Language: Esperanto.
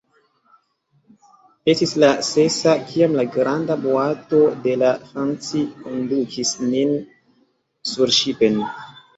Estis la sesa, kiam la granda boato de la _Fanci_ kondukis nin surŝipen.